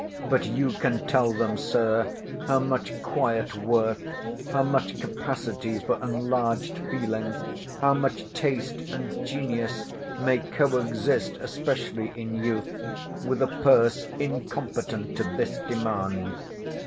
But you can tell them, Sir, how much quiet worth, how much capacity for enlarged feeling, how much taste and genius, may coexist, especially in youth, with a purse incompetent to this demand.